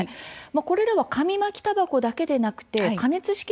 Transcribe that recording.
これらは紙巻きたばこだけでなくて加熱式